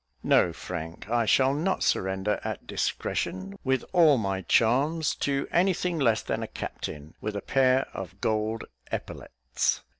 No, Frank, I shall not surrender at discretion, with all my charms, to any thing less than a captain, with a pair of gold epaulettes."